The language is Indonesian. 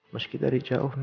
meski dari jauh na